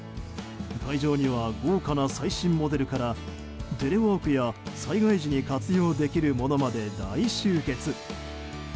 会場には豪華な最新モデルからテレワークや災害時に活用できるものまで大集結。